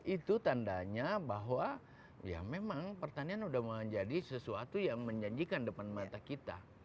itu tandanya bahwa ya memang pertanian sudah menjadi sesuatu yang menjanjikan depan mata kita